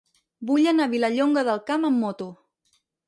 Vull anar a Vilallonga del Camp amb moto.